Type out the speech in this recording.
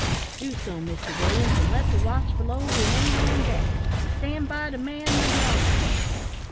"Do so, Mr Williams, and let the watch below remain on deck, and stand by to man the halyards."